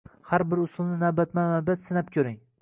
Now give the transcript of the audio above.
Har bir usulni navbatma-navbat sinab ko‘ring